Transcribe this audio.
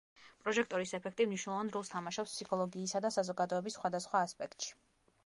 პროჟექტორის ეფექტი მნიშვნელოვან როლს თამაშობს ფსიქოლოგიისა და საზოგადოების სხვადასხვა ასპექტში.